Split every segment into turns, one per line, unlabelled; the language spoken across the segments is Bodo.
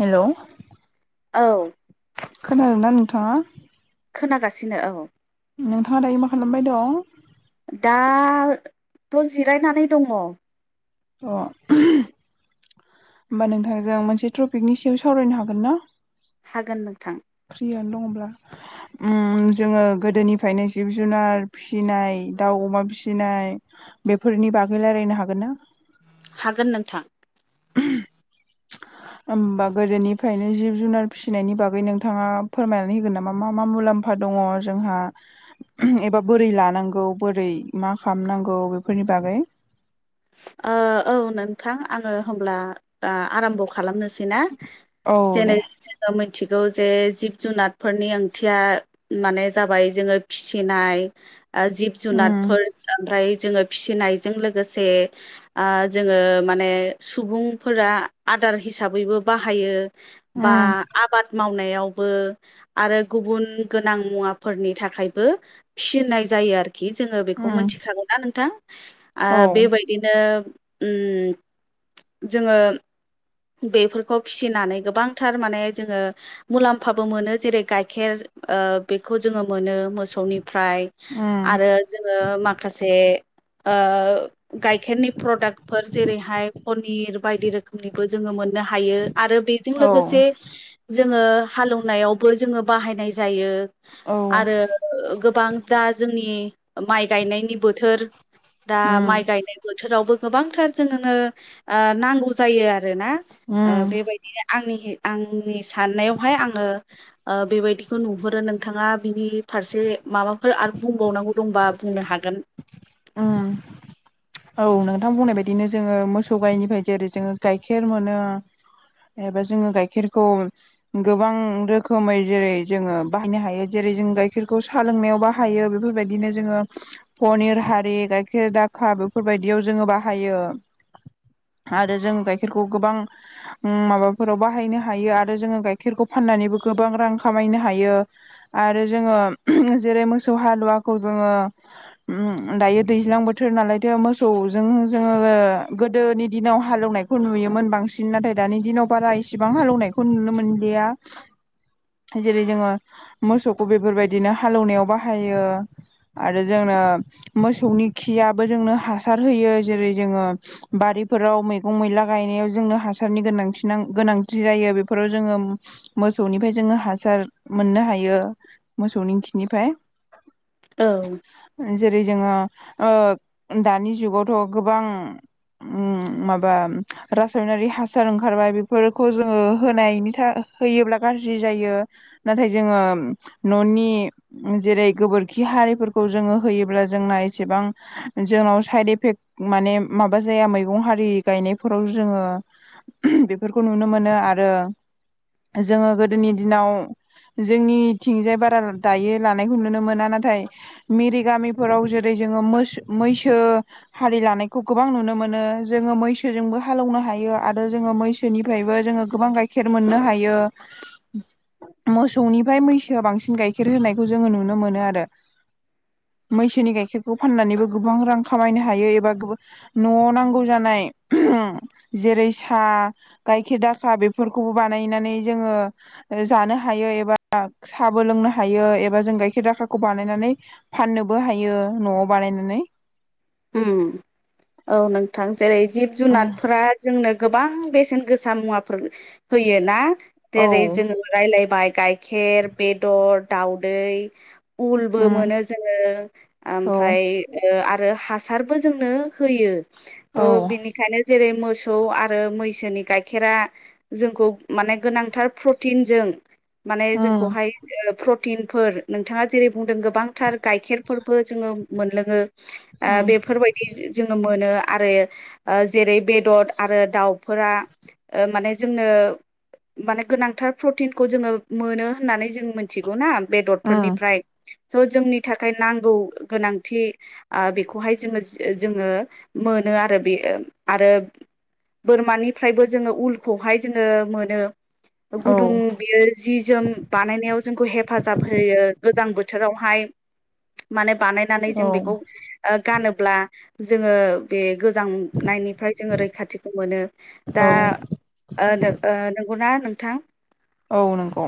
हेलौ।
औ।
खोनादोंना नोंथाङा?
खोनागासिनो औ।
नोंथाङा दायो मा खालामबाय दं?
दाथ' जिरायनानै दङ।
अ'। होमबा नोंथांजों मोनसे टपिकनि सायाव सावरायनो हागोन ना
हागोन नोंथां।
फ्रियानो दङब्ला? उम जोङो गोदोनिफ्रायनो जिब-जुनार फिसिनाय, दाउ अमा फिसिनाय बेफोरनि बागै रायलायनो हागोन ना?
हागोन नोंथां।
ओहोम। होमबा गोदोनिफ्रायनो जिब-जुनार फिसिनायनि बागै नोंथाङा फोरमायनानै होगोन नामा मा मा मुलाम्फा दं? दङ जोंहा ओहो एबा बोरै लानांगौ बोरै मा खालामनांगौ बेफोरनि बागै। [inaudible]
ओ औ नोंथां आङो होमब्ला आराम्भ' खालाम खालामनोसैना?
औ दे
जेरै जोङो मोनस मिथिगौ जे जिब-जुनारफोरनि ओंथिया माने जाबाय जोङो फिसिनाय ओ
उम
जिब-जुनारफोर ओमफ्राय जोङो फिसिनायजों लोगोसे जोङो माने सुबुंफोरा आदार हिसाबैबो बाहायो। बा
उम
आबाद माव नायावबो आरो गुबुन गोनां मुवाफोरनि थाखायबो फिनाय जायो आरोखि। खि जोङो बेखौ
उम
मिथिखागौना नोंथां आ
औ
बेबायद दिनो उम जोङो बेफोरखौ फिसिनानै गोबांथार माने जोङो मुलाम्फाबो मोनो। जेरै - गाइखेर ओ बेखौ जोङो मोनो मोसौनिफ्राय
उम
आरो जोङो माखासे ओ गाइखेरनि प्रडाक्टफोर जेरैहाय पनिर बायदि रोखोमनि बो जोङो मोननो हायो। आरो बेजों
औ
लोगोसे जोङो हालौनायाव बो जोङो बाहायनाय जायो।
औ
आरो ओ गोबां दा जोंनि माइ गायनायनि बोथोर दा माइ
उम
गायनाय बोथोरावबो गोबांथार जोंनो नांगौ जायो आरोना। ओ
उम
बेबायदिनो आंनि आंनि साननायावहाय आङो बेबायदिखौ नुहुरो नोंथाङा बिनि फारसे माबाफोर आरो बुंबावनांगौ दंबा बुंनो हागोन।
ओं। औ नोंथां बुंनाय बायदिनो जोङो मोसौ गायनिफ्राय जेरै जोङो गाइखेर मोनो। एबा जोङो गाइखेरखौ गोबां रोखोमै जेरै जोङो बाहायनो हायो। जेरै जों गाइखेरखौ साहा लोंनायाव बाहायो बेफोर बायदिनो जोङो फनिर गिहि गाइखेर दाखा बेफोरबायदियाव जोङो बाहायो। आरो जों गाइखेरखौ गोबां उम माबाफोराव बाहायनो हायो आरो जोङो गाइखेरखौ फाननानैबो गोबां रां खामायनो हायो। आरो जोङो जेरै मोसौ हालुवाखौ जों ङो ओम दायो दैज्लां बोथोर नालायथो मोसौजों जोङो गोदोनि दिनाव हालेवनायखौ नुयो। मोन बांसिन नाथाय दानि दिनाव बारा इसेबां हालेवनायखौ नुनो मोनलिया जेरै जोङो मोसौखौ बेफोरबायदिनो हालौवनायाव बाहायो आरो जोंनो मोसौनि खियाबो जोंनो हासार होयो जेरै जोङो बारिफोराव मैगं मैला गायनाय जोंनो हासारनि गोनां गोनांथि जायो बेफोराव जोङो मोसौनिफ्राय जोङो हासार मोननो हायो मोसौनि खिनिफ्राय
औ
जेरै जोङो दानि जुगावथ' गोबां माबा रासायनारि हासार ओंखारबाय बेफोरखौ जोङो होनायनि थाखाय होयोब्ला गाज्रि जायो नाथाय जोङो न'नि जेरै गोबोरखि हारिफोरखौ जोङो होयोब्ला जोंना इसेबां जोंनाव साइद इफेक्ट माने माबा जाया मैगं हारि गायनायफोराव जोङो बेफोरखौ नुनो मोनो आरो जोङो गोदोनि दिनाव जोंनिथिंजाय बारा दायो लानायखौ नुनो मोना नाथाय मेरि गामि फोराव जेरै जोङो मैसो हारि लानायखौ गोबां नुनो मोनो जोङो मैसोजों हालेवनो हायो आरो जोङो मैसोनिफ्रायबो जोङो गोबां गाइखेर मोननो हायो मोसौनिफ्राय मैसोआ बांसिन गाइखेर होनायखौ जोङो नुनो मोनो आरो मैसोनि गाइखेरखौ फाननानैबो गोबां रां खामायनो हायो एबा न'आव नांगौ जानाय जेरै साहा गायखेर दाखा बेफोरखौबो बानायनानै जोङो जानो हायो एबा साहाबो लोंनो हायो एबा जों गाइखेर दाखाखौ बानायनानै फाननोबो हायो न'आव बानायनानै
औ नोंथां जेरै जिब
उम
जुनारफोरा जोंनो गोबां बेसेन गोसा मुवाफोर होयोना
औ
जेरै जोङो राय्लायबाय गाइखेर बेदर दउदै उलबो
उम
मोनो जोङो
औ
ओमफ्राय आरो हा हासारबो जोंनो होयो
औ
थ' बिनिखायनो जेरै मोसौ मोसौ आरो मैसोनि गाइखेरा जोंखौ माने गोनांथार प्रटिनजों माने
उम
जोंखौहाय फट प्रुटिनफोर नोंथाङा जेरै बुंदों गोबांथार गाइखेरफोरबो जोङो मोनलोङो
उम
बेफोरबायदि जोङो मोनो आरो जेरै बेदर आरो दाउफोरा माने जोंनो माने गोनांथार प्रटिनखौ जोङो मोनो होननानै जों मोनथिगौ ना
उम
बेदरफोरनिफ्राय स' जोंनि थाखाय नांगौ गोनांथि बे खौहाय जोङो जोङो मोनो आरो बे आरो बोरमानिफ्रायबो जोङो उलखौ हाय' जोङो मोनो
औ
गुदुं बियो जि जोम बानायनायाव जोंखौ हेफाजाब होयो गोजां बोथोरावहाय माने बानायनानै जों
औ
बेखौ गानोब्ला जोङो बे गोजांनायनिफ्राय जोङो रैखाथिखौ मोनो दा
औ
नंगौना नोंथां
औ नंगौ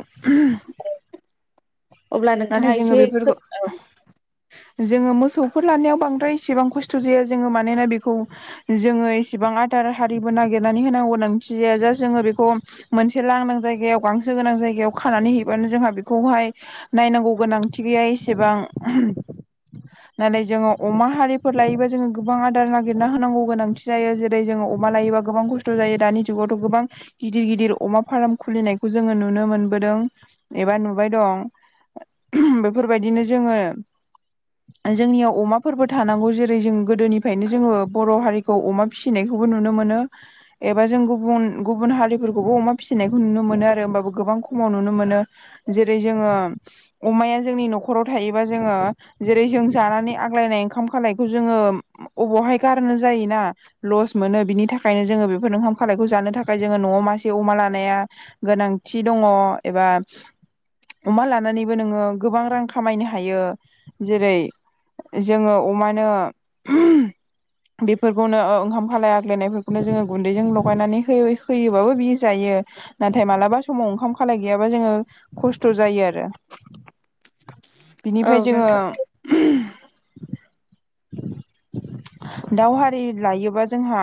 अब्ला
नाथाय
नोंथाङा
जोङो
एसे फोर औ
बेफोरखौ जोङो मोसौफोर लानायाव बांद्राय इसेबां खस्थ' जाया जोङो मानोना बेखौ जोङो एसेबां आदार हारिबो नागिरनानै होनांगौनि गोनांथि जाया जा जोङो बेखौ मोनसे लांदां जायगायाव गांसो गोनां जाय जायगायाव खानानै हैबानो जोंहा बेखौहाय नायनांगौ गोनांथि गैया एसेबां नानै जोङो अमा हारिफोर लायोब्ला जोङो गोबां आदार नागिरना होनांगौ गोनांथि जायो जेरै जोङो। अमा लायोबा गोबां खस्थ जायो दानि जुगावथ गोबां गिदिर गिदिर अमा फार्म खुलिनायखौ जोङो नुनो मोन दों एबा नुबाय दं बेफोर बायदिनो जोङो। जोंनियाव अमाफोरबो थानांगौ जेरै जों गोदोनिफ्रायनो जोङो बर हारिखौ अमा फिसिनायखौ नुनो मोनो एबा जों गुबुन गुबुन हारिफोरखौबो अमा फिसिनायखौ नुनो मोनो आरो होनबाबो गोबां खमाव नुनो मोनो जेरै जोङो। अमाया जोंनि नखराव थायोबा जोङो जेरै जों जानानै आग्लायनाय ओंखाम खालायखौ जोङो। अबावहाय गारनो जायोना लस मोनो बिनि थाखायनो जोङो बेफोर ओंखाम खालायखौ जानो थाखाय जोङो न'आव मासे अमा लानाया गोनांथि दंङ' एबा अमा ला नानैबो नोङो गोबां रां खामायनो हायो जेरै - जोंङो अमानो बेफोरखौनो ओंखाम खालाय आग्लायनायफोरखौनो जोङो गुन्दैजों लगायनानै होयो होयोबाबो बि जायो। नाथाय मालाबा समाव ओंखाम खालाय गैयाबा जोङो खस्थ जायो आरो। बिनिफ्राय
औ
जोङो।
नोंथां
दाव हारि लायोबा जोंहा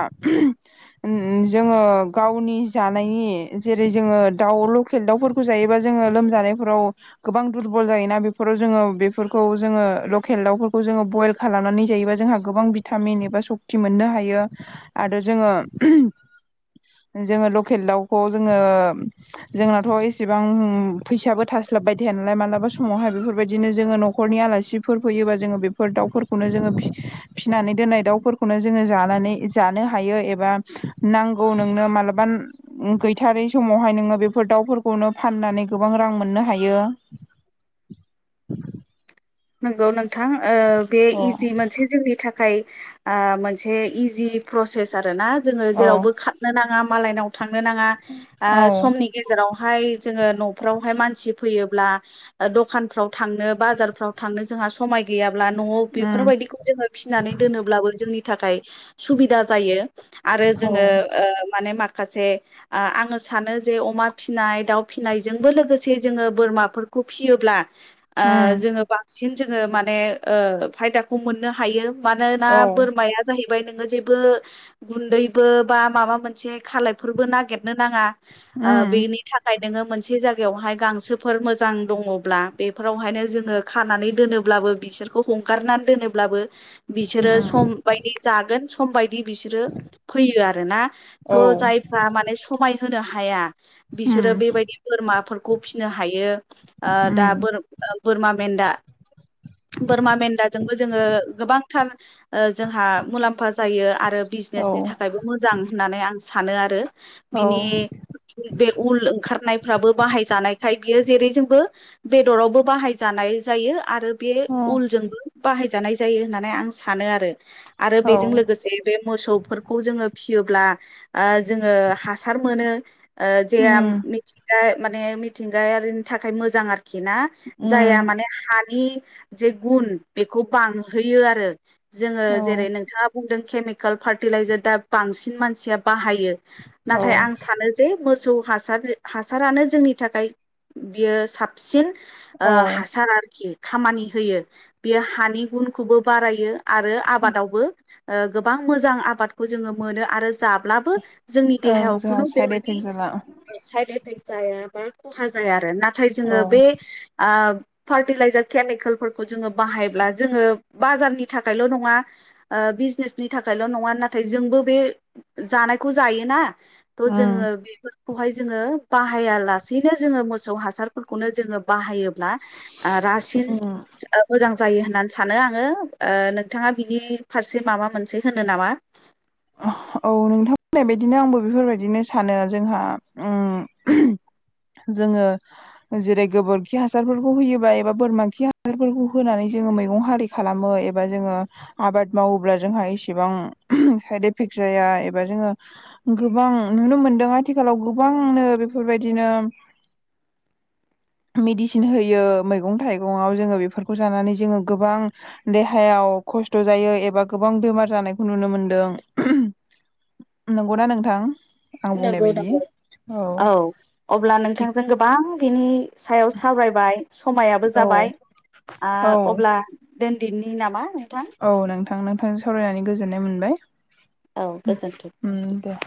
उम जोङो गावनि जानायनि जेरै जोङो दाव लकेल दाउफोरखौ जायोबा जों ङो लोमजानायफोराव गोबां दुरबल जायोना बेफोराव जोङो बेफोरखौ जोङो लकेल दावफोरखौ जोङो बयल खालामनानै जायोबा जोंहा गोबां भिटामिन एबा सक्ति मोननो हायो आरो जोङो। जोङो लकेल दावखौ जोङो जोंनाथ एसेबां फैसाबो थास्लाबबाय थायानालाय मालाबा समावहाय बेफोर बायदिनो जोङो नखरनि आलासिफोर फैयोबा जोङो बेफोर दावफोरखौनो जोङो फि सिनानै दोननाय दावफोरखौनो जोङो जानानै जानो हायो एबा नांगौ नोंनो मा मालाबा गैथारै समावहाय नोङो बेफोर दावफोरखौनो फाननानै गोबां रां मोननो हायो।
नंगौ नोंथां ओ बे
औ
इजि मोनसे जोंनि थाखा य ओ मोनसे इजि प्रसेस आरोना जोङो
औ
जेरावबो खारनो नाङा मालायनाव थांनो नाङा ओ समनि गेजेरावहाय जोङो नफ्रावहाय मानसि फैयो ब्ला दखानफ्राव थांनो बाजारफ्राव थांनो जोंहा समाय गैया ब्ला न'आव बेफोर
उम
बायदिखौ जोङो फिसिनानै दोनोब्लाबो जोंनि थाखाय सुबिदा जायो। आरो जोङो ओ माने मा खासे ओ आंङो सानो जे अमा फिसिनाय दाउ फिसिनाय जोंबो लोगोसे जोङो बोरमाफोर खौ फिसियोब्ला ओ
उम
जोङो बांसिन जोङो माने ओ फायदाखौ मोननो हायो। मानोना
उम
बोरमाया जाहैबाय नोङो जेबो गुन्दैबो बा माबा मोनसे खालायफोरबो नागिरनो नाङा। ओ
उम
बेनि थाखाय नोङो मोनसे जायगायाव हाय गांसो फोर मोजां दङब्ला बेफोराव हायनो जोङो। खानानै दोनोब्लाबो बिसोरखौ हगारनानै दोनोब्लाबो बिसोरो सम बायदि जागोन सम बायदि बिसोरो फैयो आरोना
औ
थ जायफ्रा माने समाय होनो हाया बिसोरो
उम
बेबायदि बोरमाफोरखौ फिसिनो हायो ओ दा
उम
बोरमा मेन्दा बोरमा मेन्दाजोंबो जोङो गोबांथार ओ जोंहा मुलाम्फा जायो आरो
औ
बिजनेसनि थाखायबो मोजां होननानै आं सानो आरो
औ
बिनि बे उल ओंखारनायफ्राबो बाहायजानायखाय बियो जेरैजोंबो बेदरावबो बाहाय जानाय जायो आरो बे
औ
उलजोंबो बाहाय जानाय जायो होननानै आं सानो आरो आरो
औ
बेजों लोगोसे बे मोसौ फोरखौ जोङो फिसियोब्ला ओ जोङो हासार मोनो। ओ जेहाम
उम
मिथिंगा माने मिथिंगायारिनि थाखाय मोजां आरोखि ना। जायहा
उम
माने हानि जे गुन बेखौ बांहोयो आरो। जोङो
औ
जेरै नोंथाङा बुंदों केमिकेल फार्टिलाइजार दा बांसिन मानसिया बाहा यो
औ
नाथाय आं सानो जे। मोसौ हासार हासारानो जोंनि थाखाय बियो साबसिन। ओ
औ
हासार आरोखि खामानि होयो बे हानि गुनखौबो बारायो। आरो आबादावबो गोबां मोजां आबादखौ जोङो मोनो आरो। जाब्लाबो जोंनि देहायाव
ओं जोंहा
खुनु
साइड
बेबायदि
इफेक्ट जाला
साइड एफेक्टस। जाया बा खहा जाया आरो नाथाय
औ
जोङो बे ओ फार्टिलाइजार केमिकेलफोरखौ जोङो बाहायब्ला जोङो बाजारनि थाखायल' नङा बिजनेसनि थाखायल' नङा नाथाय जोंबो बे जानायखौ जायोना थ'
उम
जोङो बेफोर खौहाय जोङो बाहाया लासेैनो जोङो मोसौ हासारफोरखौनो जोङो बाहायो। ब्ला रासिन
उम
मोजां जायो होननानै सानो आङो। ओ नोंथाङा बिनि फारसे माबा मोनसे होनो नामा?
आ। औ नोंथांमोननाय बायदिनो आंबो बेफोरबायदिनो सानो जोंहा उ जोङो जेरै गोबोरखि हासारफोरखौ होयोबा एबा बोरमा खि हासारफोरखौ होनानै जोङो मै मैगं हारि खालामो एबा जोङो आबाद मावोब्ला जोंहा इसेबां साइद एफेक्ट जाया एबा जोङो गोबां नुनो मोनदों आथिखालाव गोबांनो बेफोरबायदि। बिदिनो। मेडिसिन होयो मैगं थाइगंखव जोङो बेफोरखौ जानानै जोङो गोबां देहायाव खस्थ' जायो एबा गोबां बेमार जानायखौ नुनो मोनदों। नंगौनाा नोंथां? आं बुंनाय
नंगौ
बायदि
नंगौ औ अब्ला
थिग
नोंथांजों गोबां। बिनि सायाव सावरायबाय समायाबो
औ
जाबाय
औ
अब्ला दोनदिनि नामा नोंथां
औ नोंथां नोंथांजों सावरायनानै गोजोननाय मोनबाय।
औ गोजोन्थों।
दे।